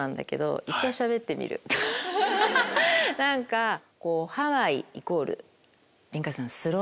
何かハワイイコール。